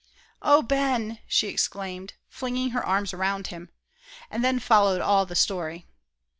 "Oh, Ben!" she exclaimed, flinging her arms around him. And then followed all the story.